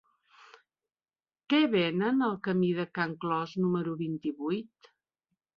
Què venen al camí de Can Clos número vint-i-vuit?